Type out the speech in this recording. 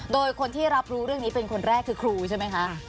โดยคนที่รับรู้เรื่องนี้เป็นคนแรกคือครูใช่ไหมคะ